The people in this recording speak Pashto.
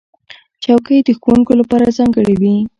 چوکۍ د ښوونکو لپاره ځانګړې وي.